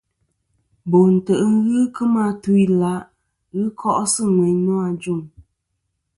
Bo ntè' ghɨ kemɨ atu-ila' ghɨ ko'sɨ ŋweyn nô ajuŋ.